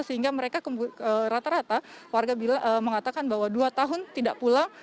sehingga mereka rata rata warga mengatakan bahwa dua tahun tidak pulang